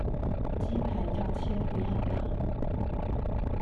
雞排要切不要辣